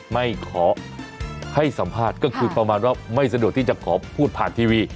ไม่ขอให้สัมภาษณ์ก็คือประมาณว่าไม่สะดวกที่จะขอพูดผ่านทีวี